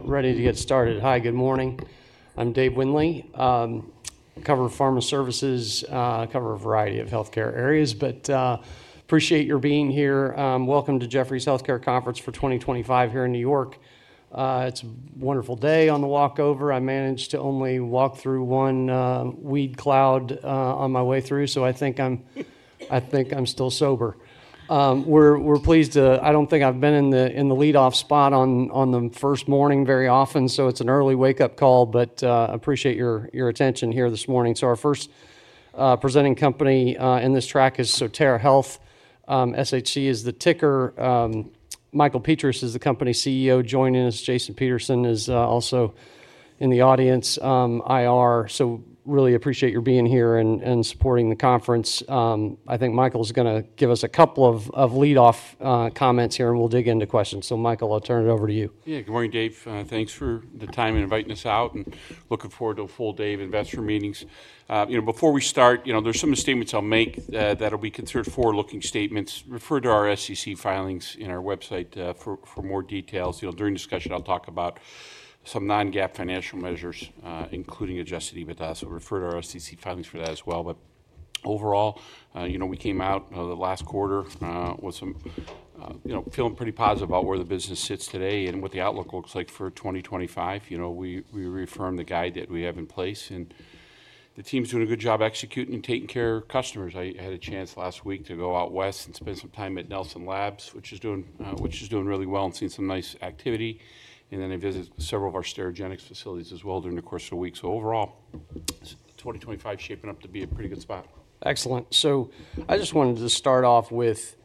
We're ready to get started. Hi, good morning. I'm Dave Windley. Cover pharma services, cover a variety of healthcare areas, but appreciate your being here. Welcome to Jefferies Healthcare Conference for 2025 here in New York. It's a wonderful day on the walk over. I managed to only walk through one weed cloud on my way through, so I think I'm, I think I'm still sober. We're pleased to, I don't think I've been in the lead-off spot on the first morning very often, so it's an early wake-up call, but appreciate your attention here this morning. Our first presenting company in this track is Sotera Health. SHC is the ticker. Michael Petras is the company CEO joining us. Jason Peterson is also in the audience. IR, so really appreciate your being here and supporting the conference. I think Michael's gonna give us a couple of lead-off comments here, and we'll dig into questions. So Michael, I'll turn it over to you. Yeah, good morning, Dave. Thanks for the time and inviting us out, and looking forward to a full day of investor meetings. You know, before we start, you know, there's some of the statements I'll make that'll be considered forward-looking statements. Refer to our SEC filings and our website for more details. You know, during discussion, I'll talk about some Non-GAAP financial measures, including Adjusted EBITDA, so refer to our SEC filings for that as well. Overall, you know, we came out the last quarter feeling pretty positive about where the business sits today and what the outlook looks like for 2025. You know, we reaffirmed the guide that we have in place, and the team's doing a good job executing and taking care of customers. I had a chance last week to go out west and spend some time at Nelson Labs, which is doing really well and seeing some nice activity. Then I visited several of our Sterigenics facilities as well during the course of the week. Overall, 2025's shaping up to be a pretty good spot. Excellent. I just wanted to start off with,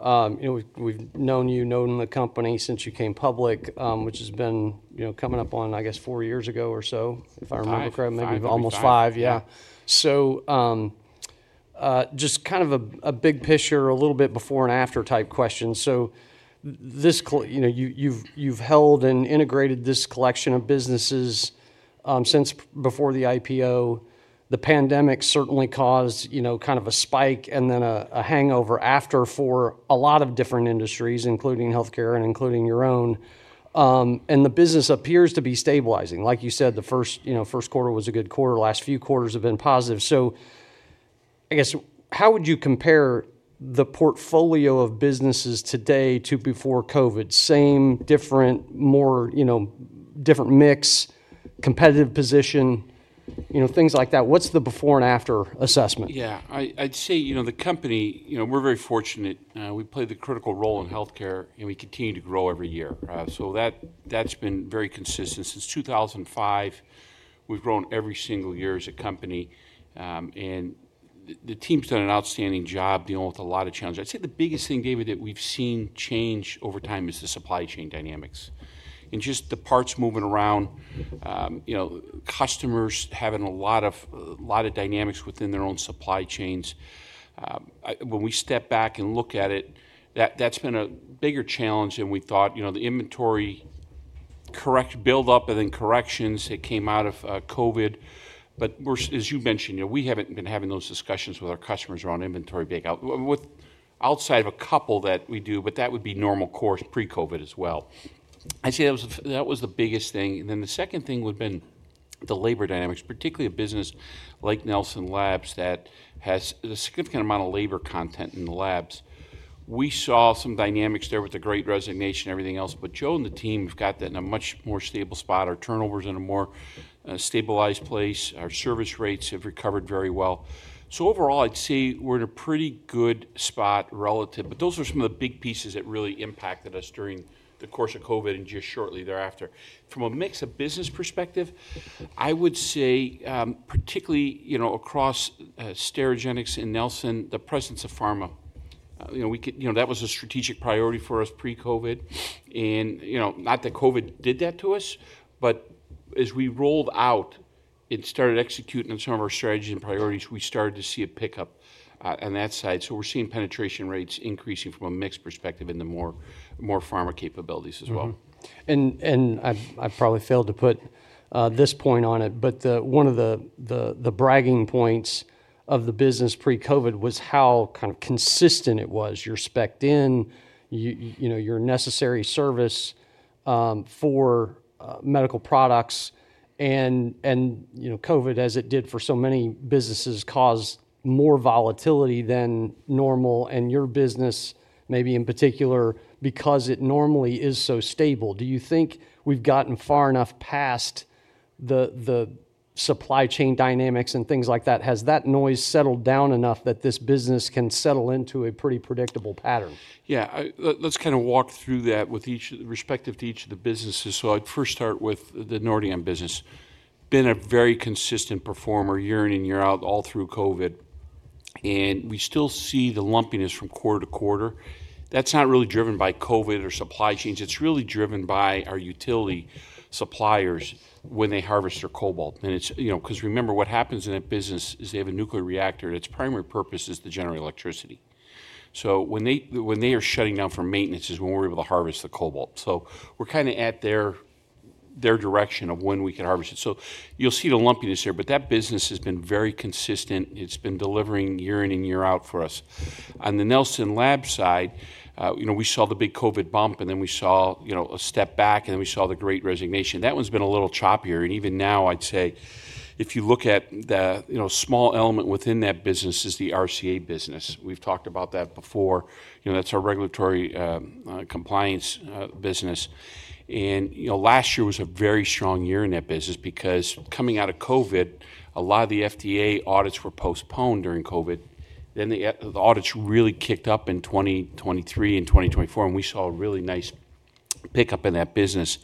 you know, we've known you, known the company since you came public, which has been, you know, coming up on, I guess, four years ago or so, if I remember correctly. Five, maybe. Maybe almost five, yeah. Just kind of a big picture, a little bit before and after type question. This, you know, you've held and integrated this collection of businesses since before the IPO. The pandemic certainly caused, you know, kind of a spike and then a hangover after for a lot of different industries, including healthcare and including your own. The business appears to be stabilizing. Like you said, the first quarter was a good quarter. Last few quarters have been positive. I guess, how would you compare the portfolio of businesses today to before COVID? Same, different, more, different mix, competitive position, things like that. What's the before and after assessment? Yeah, I'd say, you know, the company, you know, we're very fortunate. We play the critical role in healthcare, and we continue to grow every year. That, that's been very consistent. Since 2005, we've grown every single year as a company. The team's done an outstanding job dealing with a lot of challenges. I'd say the biggest thing, Dave, that we've seen change over time is the supply chain dynamics and just the parts moving around. You know, customers having a lot of, a lot of dynamics within their own supply chains. When we step back and look at it, that's been a bigger challenge than we thought. You know, the inventory buildup and then corrections, it came out of COVID. As you mentioned, you know, we haven't been having those discussions with our customers around inventory bakeout outside of a couple that we do, but that would be normal course pre-COVID as well. I'd say that was the biggest thing. The second thing would've been the labor dynamics, particularly a business like Nelson Labs that has a significant amount of labor content in the labs. We saw some dynamics there with the Great Resignation, everything else, but Joe and the team have gotten in a much more stable spot. Our turnover's in a more stabilized place. Our service rates have recovered very well. Overall, I'd say we're in a pretty good spot relative, but those are some of the big pieces that really impacted us during the course of COVID and just shortly thereafter. From a mix of business perspective, I would say, particularly, you know, across Sterigenics and Nelson, the presence of pharma. You know, we could, you know, that was a strategic priority for us pre-COVID. And, you know, not that COVID did that to us, but as we rolled out and started executing on some of our strategies and priorities, we started to see a pickup on that side. We are seeing penetration rates increasing from a mixed perspective in the more, more pharma capabilities as well. Mm-hmm. I've probably failed to put this point on it, but one of the bragging points of the business pre-COVID was how kind of consistent it was. You're specked in, you know, your necessary service for medical products. COVID, as it did for so many businesses, caused more volatility than normal. Your business, maybe in particular, because it normally is so stable. Do you think we've gotten far enough past the supply chain dynamics and things like that? Has that noise settled down enough that this business can settle into a pretty predictable pattern? Yeah, I, let's kind of walk through that with each respective to each of the businesses. I'd first start with the Nordion business. Been a very consistent performer year in and year out all through COVID. We still see the lumpiness from quarter to quarter. That's not really driven by COVID or supply chains. It's really driven by our utility suppliers when they harvest their cobalt. It's, you know, 'cause remember what happens in that business is they have a nuclear reactor, and its primary purpose is to generate electricity. When they are shutting down for maintenance is when we're able to harvest the cobalt. We're kind of at their direction of when we could harvest it. You'll see the lumpiness here, but that business has been very consistent. It's been delivering year in and year out for us. On the Nelson Labs side, you know, we saw the big COVID bump, and then we saw, you know, a step back, and then we saw the Great Resignation. That one's been a little choppier. Even now, I'd say if you look at the, you know, small element within that business is the RCA business. We've talked about that before. You know, that's our regulatory compliance business. Last year was a very strong year in that business because coming out of COVID, a lot of the FDA audits were postponed during COVID. The audits really kicked up in 2023 and 2024, and we saw a really nice pickup in that business.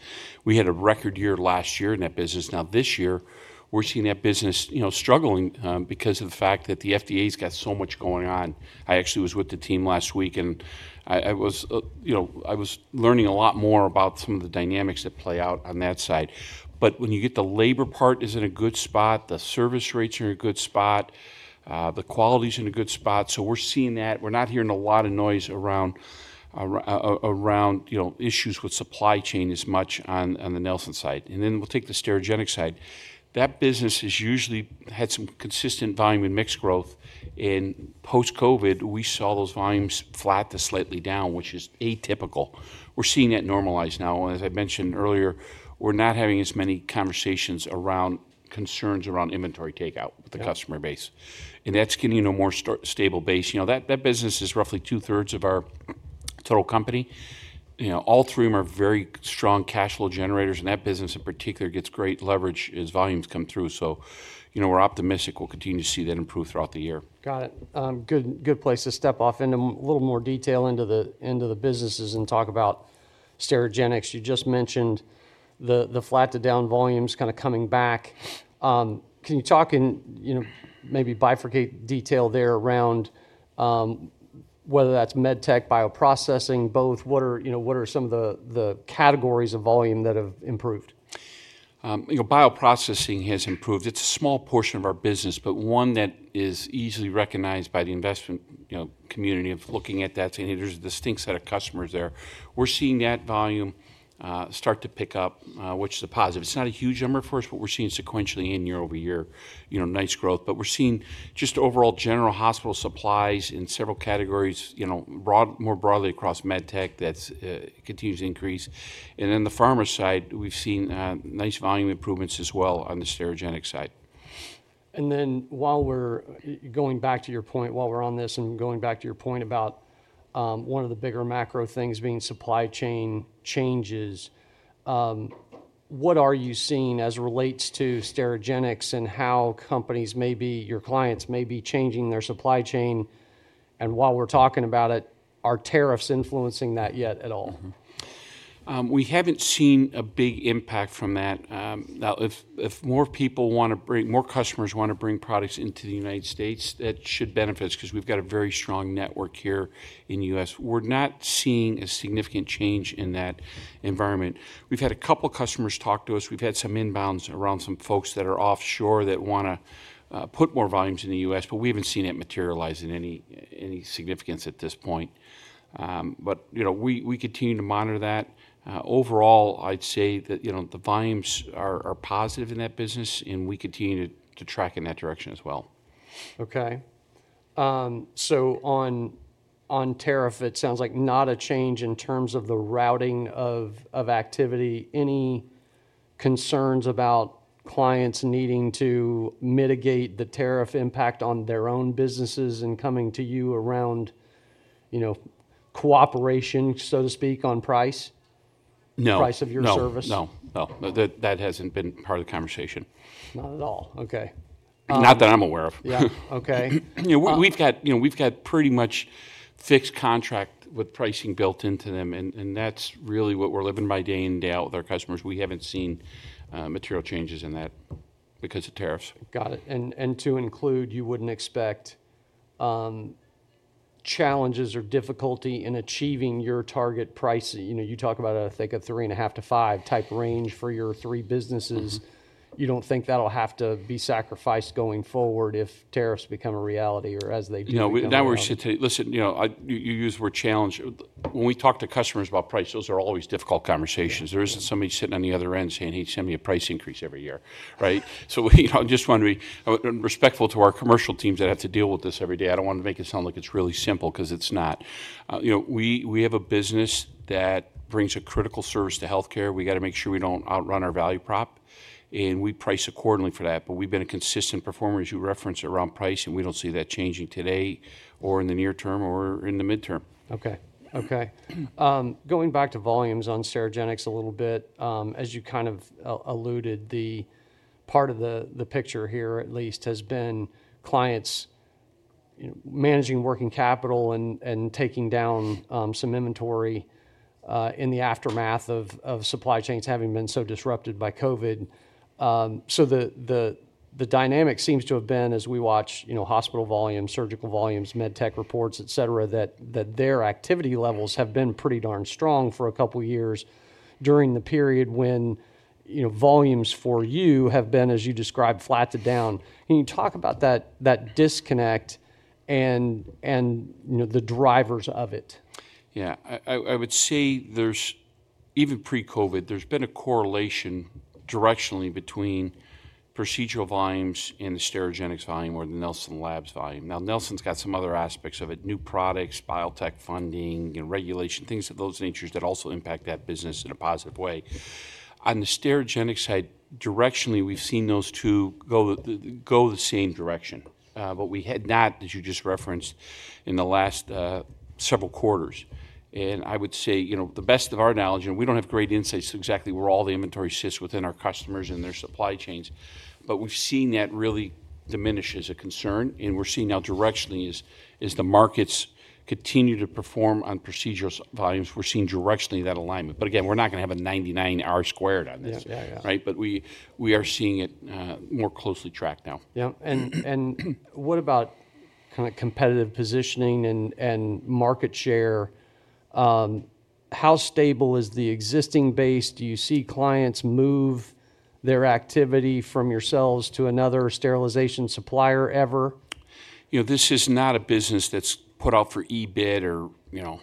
We had a record year last year in that business. Now this year, we're seeing that business, you know, struggling, because of the fact that the FDA's got so much going on. I actually was with the team last week, and I was, you know, I was learning a lot more about some of the dynamics that play out on that side. When you get the labor part, it is in a good spot. The service rates are in a good spot. The quality is in a good spot. We are seeing that. We are not hearing a lot of noise around, you know, issues with supply chain as much on the Nelson Labs side. Then we will take the Sterigenics side. That business has usually had some consistent volume and mix growth. Post-COVID, we saw those volumes flat to slightly down, which is atypical. We are seeing that normalize now. As I mentioned earlier, we are not having as many conversations around concerns around inventory takeout with the customer base. That is getting, you know, a more stable base. You know, that business is roughly two-thirds of our total company. You know, all three of them are very strong cash flow generators. That business in particular gets great leverage as volumes come through. You know, we're optimistic we'll continue to see that improve throughout the year. Got it. Good, good place to step off into a little more detail into the, into the businesses and talk about Sterigenics. You just mentioned the, the flat to down volumes kind of coming back. Can you talk in, you know, maybe bifurcate detail there around, whether that's med tech, bioprocessing, both? What are, you know, what are some of the, the categories of volume that have improved? You know, bioprocessing has improved. It's a small portion of our business, but one that is easily recognized by the investment, you know, community of looking at that, saying, "Hey, there's a distinct set of customers there." We're seeing that volume start to pick up, which is a positive. It's not a huge number for us, but we're seeing sequentially and year over year, you know, nice growth. We're seeing just overall general hospital supplies in several categories, you know, more broadly across med tech. That continues to increase. On the pharma side, we've seen nice volume improvements as well on the Sterigenics side. While we're going back to your point, while we're on this and going back to your point about, one of the bigger macro things being supply chain changes, what are you seeing as it relates to Sterigenics and how companies may be, your clients may be changing their supply chain? While we're talking about it, are tariffs influencing that yet at all? Mm-hmm. We haven't seen a big impact from that. Now, if more people want to bring, more customers want to bring products into the U.S., that should benefit us because we have a very strong network here in the U.S. We're not seeing a significant change in that environment. We've had a couple customers talk to us. We've had some inbounds around some folks that are offshore that want to put more volumes in the U.S., but we haven't seen it materialize in any significance at this point. You know, we continue to monitor that. Overall, I'd say that the volumes are positive in that business, and we continue to track in that direction as well. Okay. So on, on tariff, it sounds like not a change in terms of the routing of, of activity. Any concerns about clients needing to mitigate the tariff impact on their own businesses and coming to you around, you know, cooperation, so to speak, on price? No. Price of your service? No, that hasn't been part of the conversation. Not at all. Okay. Not that I'm aware of. Yeah. Okay. You know, we've got pretty much fixed contract with pricing built into them, and that's really what we're living by day in and day out with our customers. We haven't seen material changes in that because of tariffs. Got it. And to include, you wouldn't expect challenges or difficulty in achieving your target pricing. You know, you talk about a, I think, a 3.5-5 type range for your three businesses. You don't think that'll have to be sacrificed going forward if tariffs become a reality or as they do? No, that we're sitting, listen, you know, I, you use the word challenge. When we talk to customers about price, those are always difficult conversations. There isn't somebody sitting on the other end saying, "Hey, send me a price increase every year," right? We, you know, I just wanna be, I'm respectful to our commercial teams that have to deal with this every day. I don't wanna make it sound like it's really simple 'cause it's not. You know, we have a business that brings a critical service to healthcare. We gotta make sure we don't outrun our value prop, and we price accordingly for that. We've been a consistent performer, as you referenced, around price, and we don't see that changing today or in the near term or in the midterm. Okay. Okay. Going back to volumes on Sterigenics a little bit, as you kind of alluded, part of the picture here, at least, has been clients, you know, managing working capital and taking down some inventory in the aftermath of supply chains having been so disrupted by COVID. The dynamic seems to have been, as we watch, you know, hospital volumes, surgical volumes, med tech reports, et cetera, that their activity levels have been pretty darn strong for a couple years during the period when, you know, volumes for you have been, as you described, flat to down. Can you talk about that disconnect and, you know, the drivers of it? Yeah, I would say there's even pre-COVID, there's been a correlation directionally between procedural volumes and the Sterigenics volume or the Nelson Labs volume. Now, Nelson's got some other aspects of it: new products, biotech funding, you know, regulation, things of those natures that also impact that business in a positive way. On the Sterigenics side, directionally, we've seen those two go the same direction. We had not, as you just referenced, in the last several quarters. I would say, you know, to the best of our knowledge, and we don't have great insights exactly where all the inventory sits within our customers and their supply chains, but we've seen that really diminish as a concern. We're seeing now directionally as the markets continue to perform on procedural volumes, we're seeing directionally that alignment. But again, we're not gonna have a 99 hours squared on this. Yeah. Right? We are seeing it more closely tracked now. Yep. And what about kind of competitive positioning and market share? How stable is the existing base? Do you see clients move their activity from yourselves to another sterilization supplier ever? You know, this is not a business that's put out for eBid or, you know,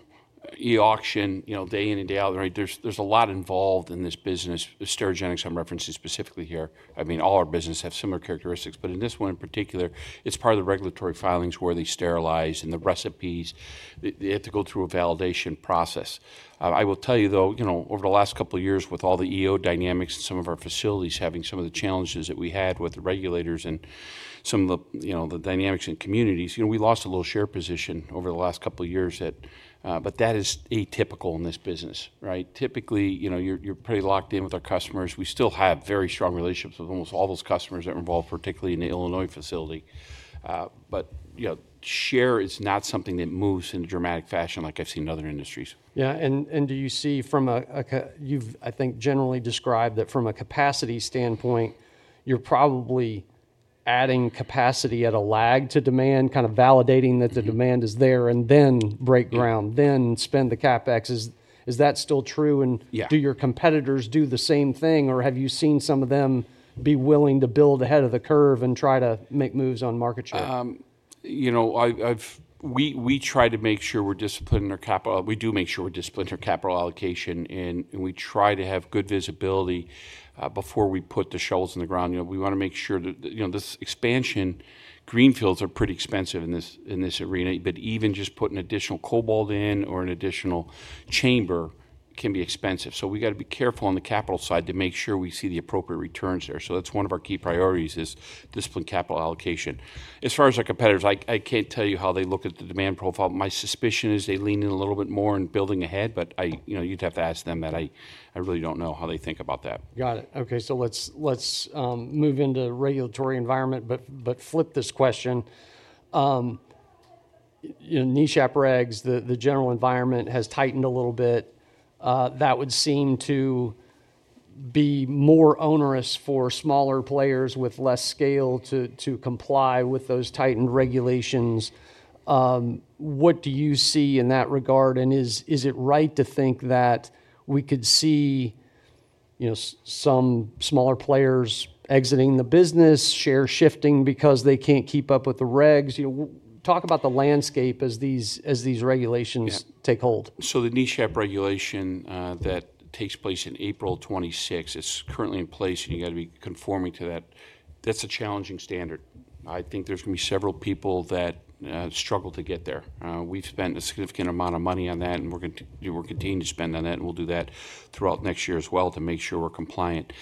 eAuction, you know, day in and day out, right? There's a lot involved in this business. Sterigenics, I'm referencing specifically here. I mean, all our businesses have similar characteristics, but in this one in particular, it's part of the regulatory filings where they sterilize and the recipes. They have to go through a validation process. I will tell you though, you know, over the last couple years with all the EO dynamics and some of our facilities having some of the challenges that we had with the regulators and some of the, you know, the dynamics and communities, you know, we lost a little share position over the last couple years, but that is atypical in this business, right? Typically, you know, you're pretty locked in with our customers. We still have very strong relationships with almost all those customers that are involved, particularly in the Illinois facility. You know, share is not something that moves in a dramatic fashion like I've seen in other industries. Yeah. And do you see from a, a, you've, I think, generally described that from a capacity standpoint, you're probably adding capacity at a lag to demand, kind of validating that the demand is there and then break ground, then spend the CapEx. Is that still true? And do your competitors do the same thing, or have you seen some of them be willing to build ahead of the curve and try to make moves on market share? You know, I, I've, we try to make sure we're disciplined in our capital. We do make sure we're disciplined in our capital allocation, and we try to have good visibility before we put the shovels in the ground. You know, we want to make sure that, you know, this expansion, greenfields are pretty expensive in this, in this arena. Even just putting additional cobalt in or an additional chamber can be expensive. We have to be careful on the capital side to make sure we see the appropriate returns there. That is one of our key priorities, disciplined capital allocation. As far as our competitors, I can't tell you how they look at the demand profile. My suspicion is they lean in a little bit more in building ahead, but you would have to ask them that. I really don't know how they think about that. Got it. Okay. Let's move into the regulatory environment, but flip this question. You know, niche app regs, the general environment has tightened a little bit. That would seem to be more onerous for smaller players with less scale to comply with those tightened regulations. What do you see in that regard? And is it right to think that we could see, you know, some smaller players exiting the business, share shifting because they can't keep up with the regs? You know, talk about the landscape as these regulations take hold. The niche app regulation, that takes place in April 26th, it's currently in place, and you gotta be conforming to that. That's a challenging standard. I think there's gonna be several people that struggle to get there. We've spent a significant amount of money on that, and we're gonna, we're continuing to spend on that, and we'll do that throughout next year as well to make sure we're compliant.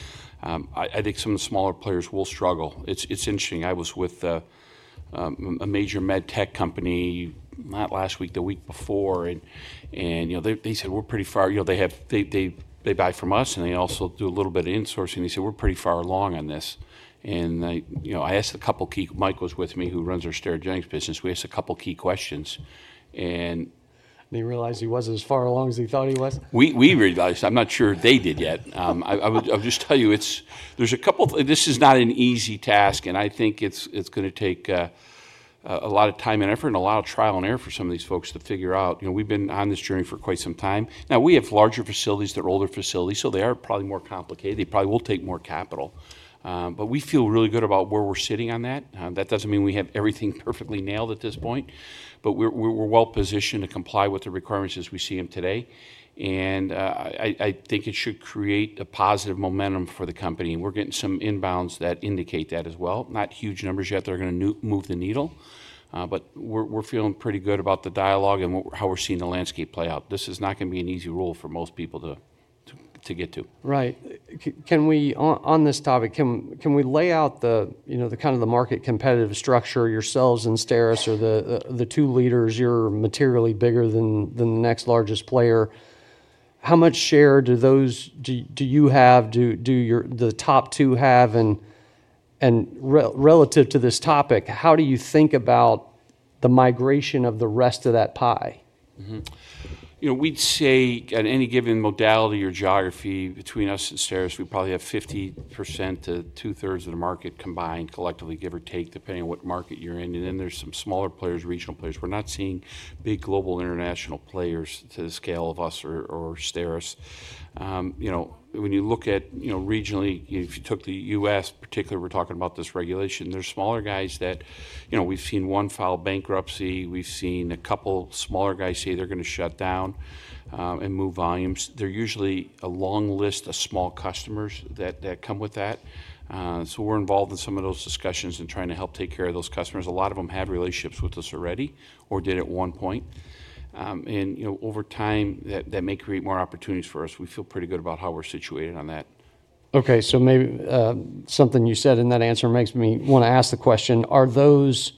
I think some of the smaller players will struggle. It's interesting. I was with a major med tech company not last week, the week before, and, you know, they said we're pretty far, you know, they have, they buy from us, and they also do a little bit of insourcing. They said we're pretty far along on this. I, you know, I asked a couple key, Mike was with me who runs our Sterigenics business. We asked a couple key questions. They realized he wasn't as far along as they thought he was. We realized, I'm not sure they did yet. I would just tell you, this is not an easy task, and I think it's gonna take a lot of time and effort and a lot of trial and error for some of these folks to figure out. You know, we've been on this journey for quite some time. Now, we have larger facilities, they're older facilities, so they are probably more complicated. They probably will take more capital, but we feel really good about where we're sitting on that. That doesn't mean we have everything perfectly nailed at this point, but we're well positioned to comply with the requirements as we see 'em today. I think it should create a positive momentum for the company. We're getting some inbounds that indicate that as well. Not huge numbers yet that are gonna move the needle. We're feeling pretty good about the dialogue and how we're seeing the landscape play out. This is not gonna be an easy rule for most people to get to. Right. Can we, on this topic, can we lay out the, you know, the kind of the market competitive structure, yourselves and Steris are the two leaders, you're materially bigger than the next largest player. How much share do you have, do the top two have? And relative to this topic, how do you think about the migration of the rest of that pie? Mm-hmm. You know, we'd say at any given modality or geography between us and Steris, we probably have 50%-two-thirds of the market combined collectively, give or take, depending on what market you're in. And then there's some smaller players, regional players. We're not seeing big global international players to the scale of us or, or Steris. You know, when you look at, you know, regionally, if you took the U.S., particularly, we're talking about this regulation, there's smaller guys that, you know, we've seen one file bankruptcy. We've seen a couple smaller guys say they're gonna shut down, and move volumes. They're usually a long list of small customers that, that come with that. So we're involved in some of those discussions and trying to help take care of those customers. A lot of 'em have relationships with us already or did at one point. and, you know, over time that may create more opportunities for us. We feel pretty good about how we're situated on that. Okay. Maybe something you said in that answer makes me wanna ask the question, are those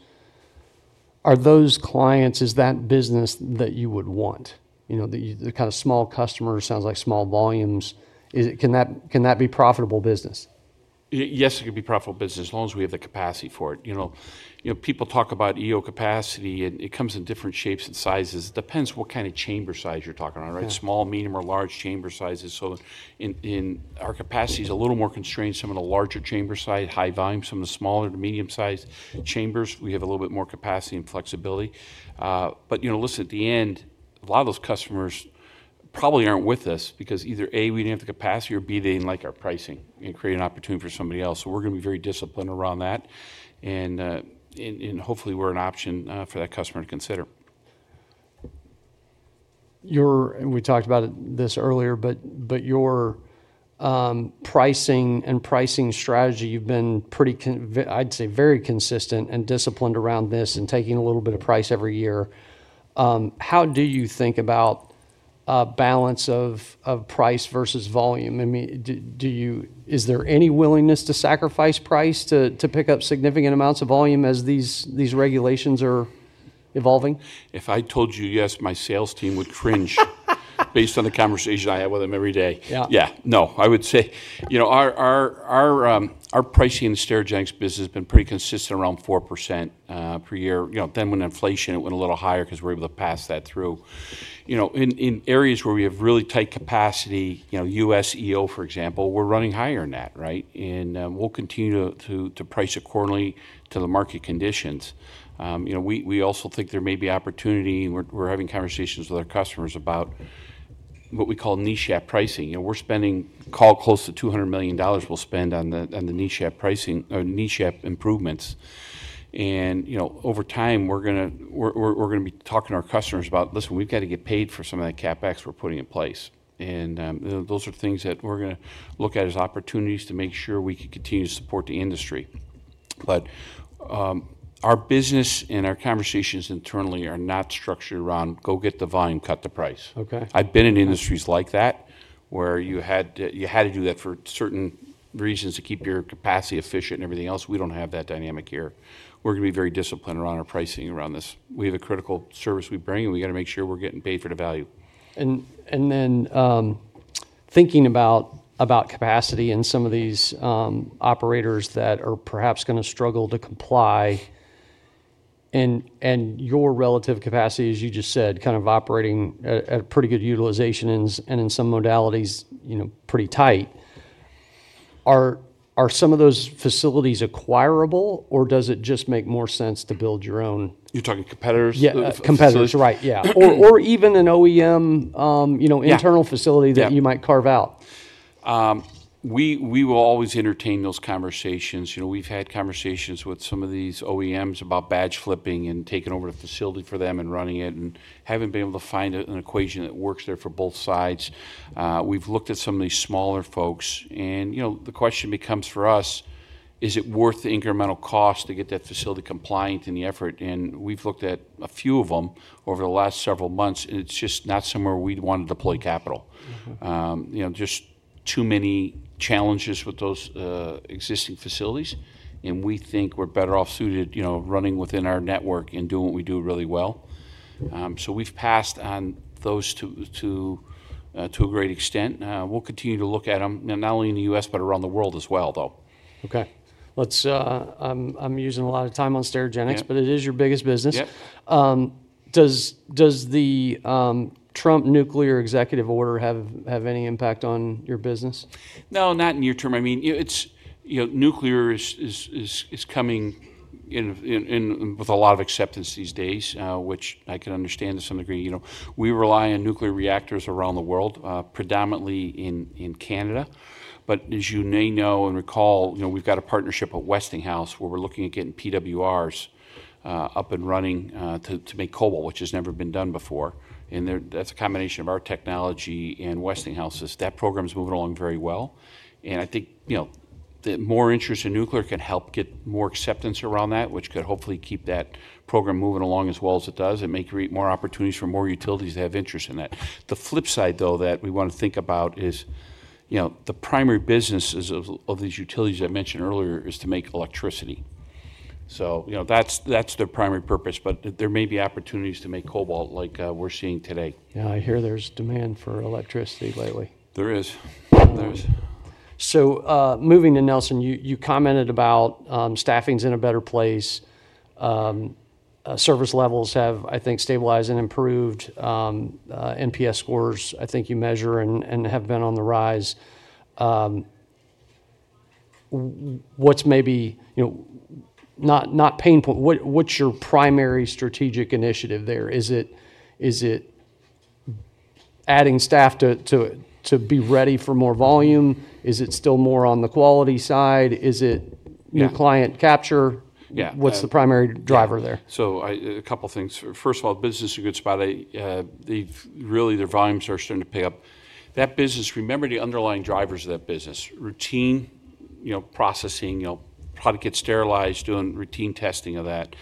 clients, is that business that you would want? You know, the kind of small customers sounds like small volumes. Is it, can that be profitable business? Yes, it could be profitable business as long as we have the capacity for it. You know, people talk about EO capacity and it comes in different shapes and sizes. It depends what kind of chamber size you're talking on, right? Small, medium, or large chamber sizes. In our capacity, it is a little more constrained, some of the larger chamber size, high volume, some of the smaller to medium size chambers. We have a little bit more capacity and flexibility. You know, listen, at the end, a lot of those customers probably are not with us because either A, we did not have the capacity, or B, they did not like our pricing and create an opportunity for somebody else. We are going to be very disciplined around that. Hopefully we are an option for that customer to consider. You're, and we talked about this earlier, but your pricing and pricing strategy, you've been pretty con, I'd say very consistent and disciplined around this and taking a little bit of price every year. How do you think about balance of price versus volume? I mean, do you, is there any willingness to sacrifice price to pick up significant amounts of volume as these regulations are evolving? If I told you yes, my sales team would cringe based on the conversation I have with 'em every day. Yeah. Yeah. No, I would say, you know, our pricing in the Sterigenics business has been pretty consistent around 4% per year. You know, then when inflation, it went a little higher 'cause we're able to pass that through. You know, in areas where we have really tight capacity, you know, U.S. EO, for example, we're running higher in that, right? And, we'll continue to price accordingly to the market conditions. You know, we also think there may be opportunity. We're having conversations with our customers about what we call niche app pricing. You know, we're spending, call close to $200 million we'll spend on the niche app pricing or niche app improvements. You know, over time, we're gonna be talking to our customers about, listen, we've gotta get paid for some of that CapEx we're putting in place. Those are things that we're gonna look at as opportunities to make sure we can continue to support the industry. Our business and our conversations internally are not structured around go get the volume, cut the price. Okay. I've been in industries like that where you had to, you had to do that for certain reasons to keep your capacity efficient and everything else. We don't have that dynamic here. We're gonna be very disciplined around our pricing around this. We have a critical service we bring, and we gotta make sure we're getting paid for the value. And then, thinking about capacity and some of these operators that are perhaps gonna struggle to comply and your relative capacity, as you just said, kind of operating at a pretty good utilization and in some modalities, you know, pretty tight. Are some of those facilities acquirable, or does it just make more sense to build your own? You're talking competitors? Yeah. Competitors, right. Yeah. Or, or even an OEM, you know, internal facility that you might carve out. We will always entertain those conversations. You know, we've had conversations with some of these OEMs about badge flipping and taking over the facility for them and running it and haven't been able to find an equation that works there for both sides. We've looked at some of these smaller folks, and, you know, the question becomes for us, is it worth the incremental cost to get that facility compliant in the effort? And we've looked at a few of them over the last several months, and it's just not somewhere we'd want to deploy capital. You know, just too many challenges with those existing facilities, and we think we're better off suited, you know, running within our network and doing what we do really well. We've passed on those to a great extent. we'll continue to look at 'em, you know, not only in the U.S., but around the world as well though. Okay. Let's, I'm using a lot of time on Sterigenics, but it is your biggest business. Yep. Does the Trump nuclear executive order have any impact on your business? No, not in near term. I mean, you know, nuclear is coming in with a lot of acceptance these days, which I can understand to some degree. You know, we rely on nuclear reactors around the world, predominantly in Canada. But as you may know and recall, you know, we've got a partnership with Westinghouse where we're looking at getting PWRs up and running, to make cobalt, which has never been done before. There, that's a combination of our technology and Westinghouse's. That program's moving along very well. I think, you know, the more interest in nuclear can help get more acceptance around that, which could hopefully keep that program moving along as well as it does and may create more opportunities for more utilities to have interest in that. The flip side though, that we wanna think about is, you know, the primary businesses of these utilities I mentioned earlier is to make electricity. You know, that's their primary purpose, but there may be opportunities to make cobalt like we're seeing today. Yeah. I hear there's demand for electricity lately. There is. Moving to Nelson, you commented about staffing's in a better place. Service levels have, I think, stabilized and improved. NPS scores, I think you measure and have been on the rise. What's maybe, you know, not a pain point? What's your primary strategic initiative there? Is it adding staff to be ready for more volume? Is it still more on the quality side? Is it new client capture? Yeah. What's the primary driver there? I, a couple things. First of all, the business is in a good spot. They've really, their volumes are starting to pick up. That business, remember the underlying drivers of that business, routine, you know, processing, you know, product gets sterilized, doing routine testing of that.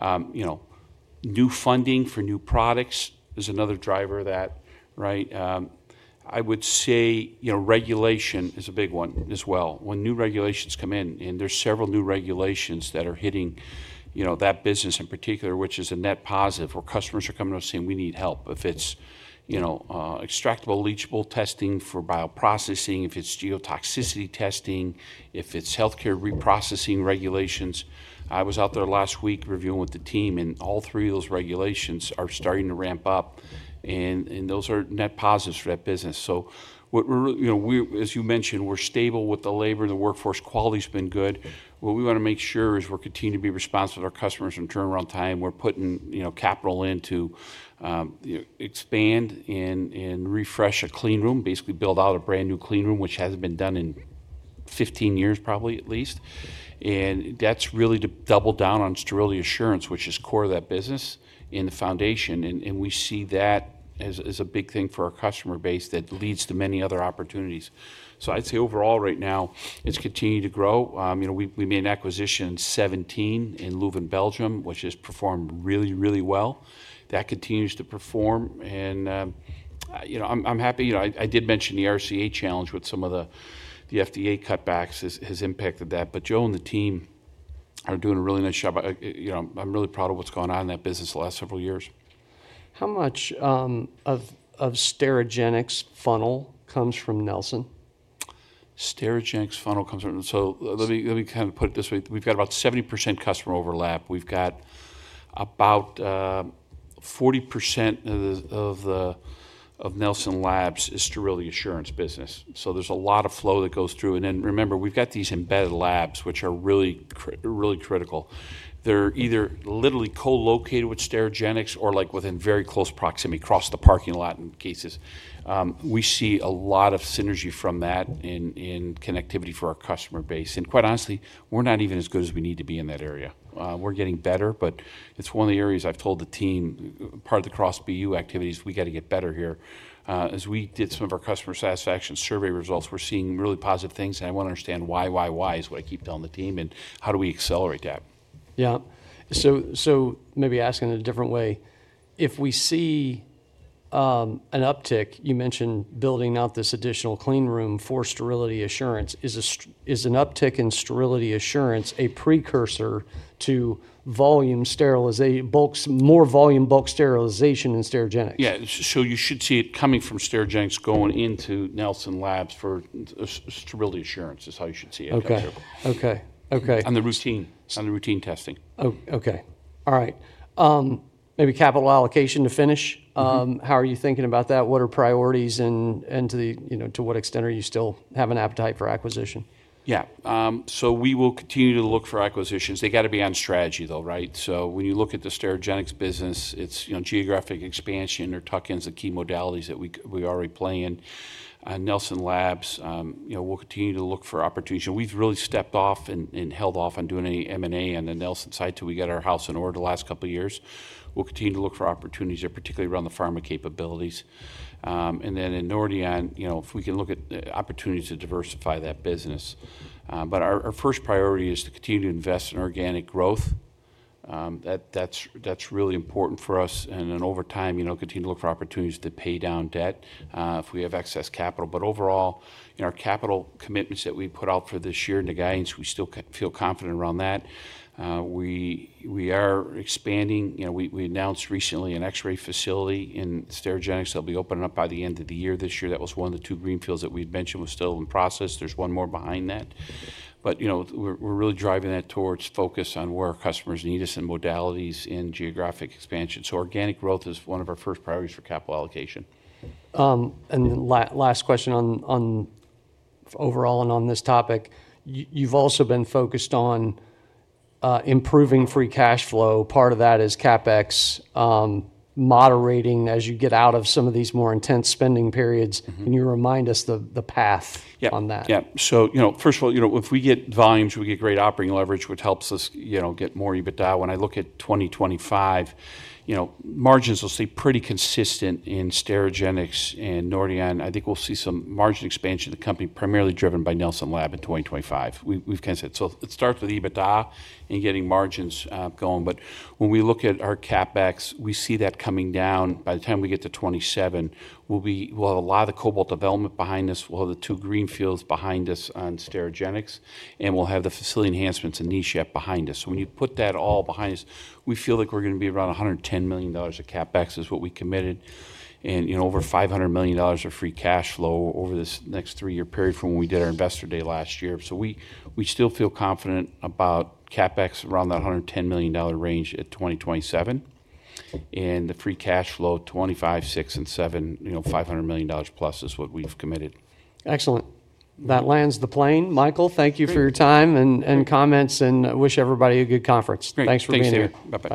You know, new funding for new products is another driver of that, right? I would say, you know, regulation is a big one as well. When new regulations come in, and there's several new regulations that are hitting, you know, that business in particular, which is a net positive where customers are coming up saying, we need help. If it's, you know, extractables and leachables testing for bioprocessing, if it's genotoxicity testing, if it's healthcare reprocessing regulations. I was out there last week reviewing with the team, and all three of those regulations are starting to ramp up, and those are net positives for that business. What we're, you know, we're, as you mentioned, we're stable with the labor and the workforce. Quality's been good. What we wanna make sure is we're continuing to be responsive to our customers and turnaround time. We're putting, you know, capital in to, you know, expand and refresh a Clean room, basically build out a brand new Clean room, which hasn't been done in 15 years probably at least. That's really to double down on sterility assurance, which is core to that business in the foundation. We see that as a big thing for our customer base that leads to many other opportunities. I'd say overall right now it's continuing to grow. You know, we made an acquisition in 2017 in Luven, Belgium, which has performed really, really well. That continues to perform. You know, I'm happy, you know, I did mention the RCA challenge with some of the FDA cutbacks has impacted that. But Joe and the team are doing a really nice job. You know, I'm really proud of what's going on in that business the last several years. How much of Sterigenics funnel comes from Nelson? Sterigenics funnel comes from, so let me, let me kind of put it this way. We've got about 70% customer overlap. We've got about 40% of the, of Nelson Labs' sterility assurance business. So there's a lot of flow that goes through. And then remember, we've got these embedded labs, which are really, really critical. They're either literally co-located with Sterigenics or like within very close proximity across the parking lot in cases. We see a lot of synergy from that in, in connectivity for our customer base. And quite honestly, we're not even as good as we need to be in that area. We're getting better, but it's one of the areas I've told the team, part of the cross BU activities, we gotta get better here. As we did some of our customer satisfaction survey results, we're seeing really positive things. I wanna understand why, why is what I keep telling the team and how do we accelerate that? Yeah. So maybe asking in a different way, if we see an uptick, you mentioned building out this additional Clean room for sterility assurance, is an uptick in sterility assurance a precursor to volume sterilization, bulks, more volume bulk sterilization in Sterigenics? Yeah. So you should see it coming from Sterigenics going into Nelson Labs for sterility assurance is how you should see it. Okay. On the routine, on the routine testing. Oh, okay. All right. Maybe capital allocation to finish. How are you thinking about that? What are priorities and, and to the, you know, to what extent are you still have an appetite for acquisition? Yeah. We will continue to look for acquisitions. They gotta be on strategy though, right? When you look at the Sterigenics business, it's, you know, geographic expansion or tuck-ins, the key modalities that we are already playing. Nelson Labs, you know, we'll continue to look for opportunities. And we've really stepped off and held off on doing any M and A on the Nelson side till we got our house in order the last couple of years. We'll continue to look for opportunities there, particularly around the pharma capabilities. And then in Nordion, you know, if we can look at opportunities to diversify that business. Our first priority is to continue to invest in organic growth. That's really important for us. Over time, you know, continue to look for opportunities to pay down debt, if we have excess capital. Overall, you know, our capital commitments that we put out for this year and the guidance, we still feel confident around that. We are expanding, you know, we announced recently an X-ray facility in Sterigenics. That will be opening up by the end of the year this year. That was one of the two greenfields that we had mentioned was still in process. There is one more behind that. You know, we are really driving that towards focus on where our customers need us and modalities and geographic expansion. Organic growth is one of our first priorities for capital allocation. Last question on overall and on this topic, you've also been focused on improving free cash flow. Part of that is CapEx, moderating as you get out of some of these more intense spending periods. Can you remind us the path on that? Yeah. Yeah. So, you know, first of all, you know, if we get volumes, we get great operating leverage, which helps us, you know, get more EBITDA. When I look at 2025, you know, margins will stay pretty consistent in Sterigenics and Nordion. I think we'll see some margin expansion of the company primarily driven by Nelson Labs in 2025. We, we've kind of said, so it starts with EBITDA and getting margins, going. But when we look at our CapEx, we see that coming down. By the time we get to 2027, we'll be, we'll have a lot of the cobalt development behind us. We'll have the two greenfields behind us on Sterigenics, and we'll have the facility enhancements and niche app behind us. When you put that all behind us, we feel like we're gonna be around $110 million of CapEx is what we committed. You know, over $500 million of free cash flow over this next three-year period from when we did our investor day last year. We still feel confident about CapEx around that $110 million range at 2027. The free cash flow 2025, 2026, and 2027, you know, $500 million plus is what we've committed. Excellent. That lands the plane. Michael, thank you for your time and comments, and wish everybody a good conference. Thanks for being here. Thanks for being here. Bye-bye.